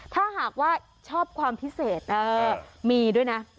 ถ้าหากว่าชอบความพิเศษมีด้วยนะ